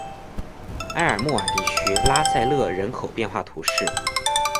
埃尔穆瓦地区拉塞勒人口变化图示